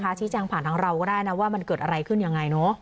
ชิคกี้พายผ่านทั้งเราก็ได้นะว่ามันเกิดอะไรขึ้นอย่างไรเนอะ